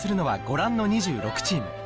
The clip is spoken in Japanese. ご覧の２６チーム